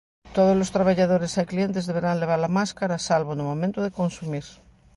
Todos os traballadores e clientes deberán levar a máscara, salvo no momento de consumir.